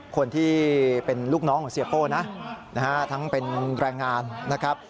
คนที่เป็นลูกน้องเสียโป้นะ